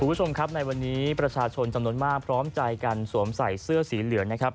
คุณผู้ชมครับในวันนี้ประชาชนจำนวนมากพร้อมใจกันสวมใส่เสื้อสีเหลืองนะครับ